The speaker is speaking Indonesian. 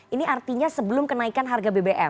ini artinya sebelum kenaikan harga bbm